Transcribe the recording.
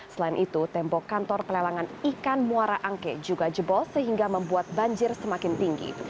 selain itu tembok kantor pelelangan ikan muara angke juga jebol sehingga membuat banjir semakin tinggi